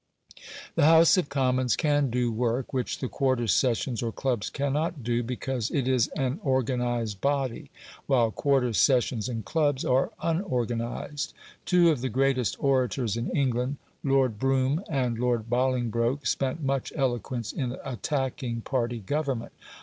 The House of Commons can do work which the quarter sessions or clubs cannot do, because it is an organised body, while quarter sessions and clubs are unorganised. Two of the greatest orators in England Lord Brougham and Lord Bolingbroke spent much eloquence in attacking party government.